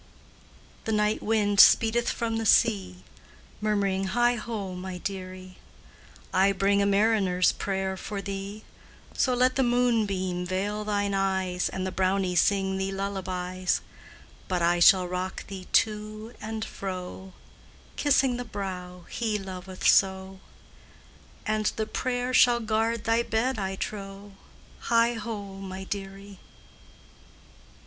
The night wind speedeth from the sea, Murmuring, "Heigho, my dearie! I bring a mariner's prayer for thee; So let the moonbeam veil thine eyes, And the brownie sing thee lullabies; But I shall rock thee to and fro, Kissing the brow he loveth so, And the prayer shall guard thy bed, I trow, Heigho, my dearie!"